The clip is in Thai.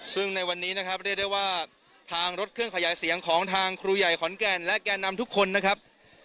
ซึ่งในวันนี้นะครับเรียกได้ว่าทางรถเครื่องขยายเสียงของทางครูใหญ่ขอนแก่นและแก่นำทุกคนนะครับ